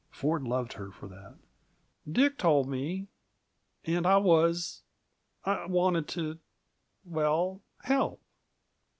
Ford loved her for that. "Dick told me and I was I wanted to well, help.